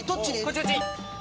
こっちこっち。